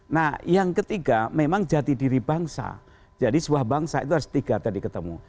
nah yang ketiga memang jati diri bangsa jadi sebuah bangsa itu harus tiga tadi ketemu